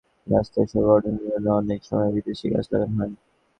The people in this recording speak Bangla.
আমাদের দেশের শহরগুলোতে রাস্তায় শোভা বর্ধনের জন্য অনেক সময় বিদেশি গাছ লাগানো হয়।